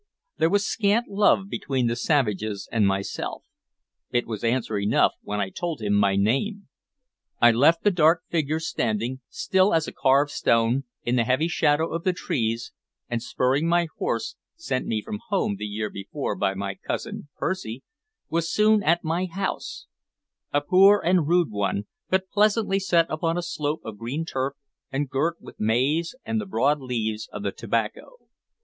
There was scant love between the savages and myself, it was answer enough when I told him my name. I left the dark figure standing, still as a carved stone, in the heavy shadow of the trees, and, spurring my horse (sent me from home, the year before, by my cousin Percy), was soon at my house, a poor and rude one, but pleasantly set upon a slope of green turf, and girt with maize and the broad leaves of the tobacco.